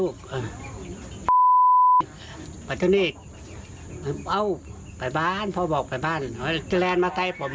เกรนมาไต้ผมผมก็หาเห็นมมัยกะเพ็น